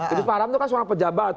idrus marham itu kan seorang pejabat